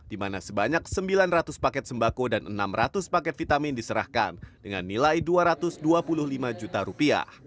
di mana sebanyak sembilan ratus paket sembako dan enam ratus paket vitamin diserahkan dengan nilai rp dua ratus dua puluh lima juta